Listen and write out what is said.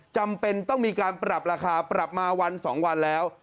จำเป็นต้องมีการปรับราคาปรับมาวัน๒วันแล้ว